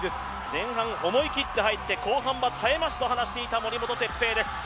前半、思い切って入って後半は耐えますと話していた森本哲平です。